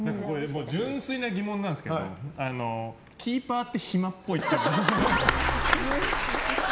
純粋な疑問なんですけどキーパーって暇っぽいっていう。